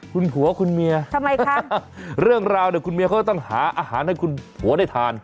คุณผัวคุณเมียทำไมคะเรื่องราวเนี่ยคุณเมียเขาก็ต้องหาอาหารให้คุณผัวได้ทาน